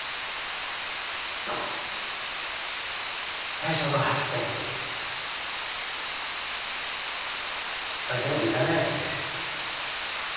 最初の８ページあれ全部いらないですね。